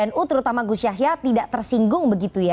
karena pbnu terutama gus syahya tidak tersinggung begitu ya